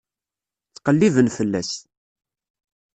Ttqelliben fell-as.